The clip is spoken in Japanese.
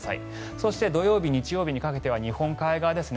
そして土曜日、日曜日にかけては日本海側ですね。